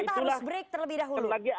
terus break terlebih dahulu